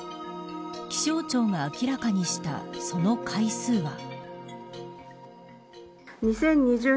気象庁が明らかにしたその回数は。